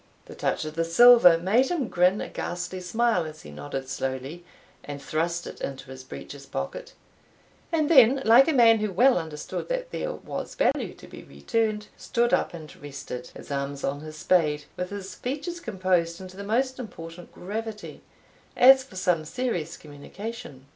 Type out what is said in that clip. The touch of the silver made him grin a ghastly smile, as he nodded slowly, and thrust it into his breeches pocket; and then, like a man who well understood that there was value to be returned, stood up, and rested his arms on his spade, with his features composed into the most important gravity, as for some serious communication.